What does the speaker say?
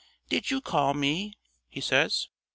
"Did you call me?" he says.